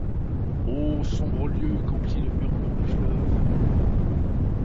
Ô sombres lieux, qu’emplit le murmure du fleuve!